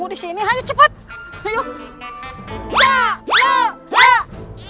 kenapa kau tinggalkan aku